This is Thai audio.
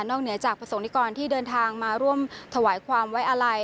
เหนือจากประสงค์นิกรที่เดินทางมาร่วมถวายความไว้อาลัย